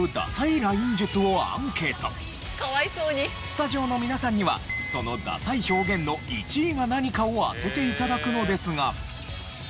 スタジオの皆さんにはそのダサい表現の１位が何かを当てて頂くのですが。